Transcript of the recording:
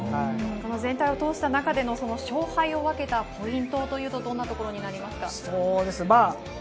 全体を通した中での勝敗を分けたポイントはどんなところですか？